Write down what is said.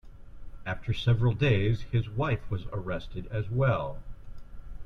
After several days his wife was arrested as well.